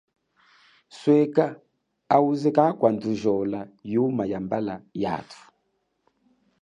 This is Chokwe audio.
Sweka auze kakwandhujola yuma yambala yathu.